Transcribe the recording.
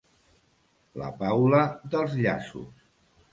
La Paula dels llaços.